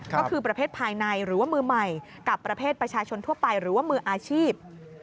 ก็คือประเภทภายในหรือว่ามือใหม่กับประเภทประชาชนทั่วไปหรือว่ามืออาชีพ